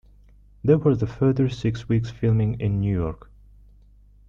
There was a further six weeks filming in New York.